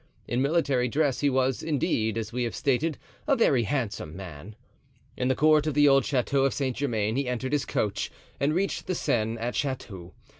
In military dress he was, indeed, as we have stated, a very handsome man. In the court of the old Chateau of Saint Germain he entered his coach, and reached the Seine at Chatou.